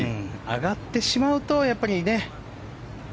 上がってしまうとやっぱりね。